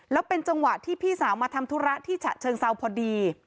แล้วเป็นจังหวะที่พี่สาวมาทำธุระที่ฉะเชิงเซาพอดี